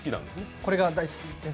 これが大好きです。